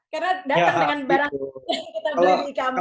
karena datang dengan barang yang kita beli di kamar